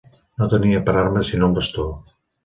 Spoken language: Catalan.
No tenia per arma sinó un bastó.